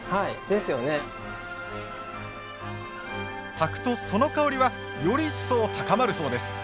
炊くとその香りはより一層高まるそうです。